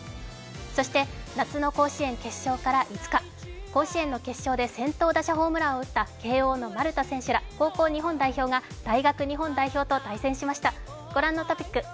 そして夏の甲子園決勝から５日甲子園の決勝で先頭打者ホームランを打った慶応の丸田選手ら、高校日本代表が大学日本代表と対戦しました。